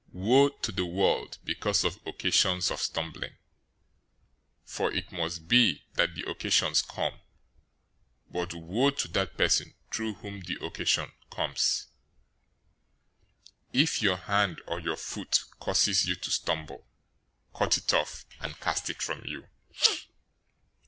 018:007 "Woe to the world because of occasions of stumbling! For it must be that the occasions come, but woe to that person through whom the occasion comes! 018:008 If your hand or your foot causes you to stumble, cut it off, and cast it from you.